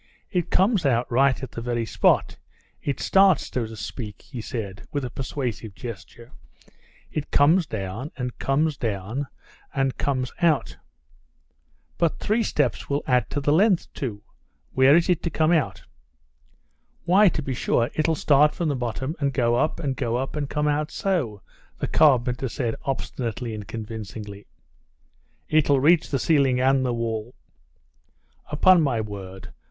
"It comes out right at the very spot. It starts, so to speak," he said, with a persuasive gesture; "it comes down, and comes down, and comes out." "But three steps will add to the length too ... where is it to come out?" "Why, to be sure, it'll start from the bottom and go up and go up, and come out so," the carpenter said obstinately and convincingly. "It'll reach the ceiling and the wall." "Upon my word!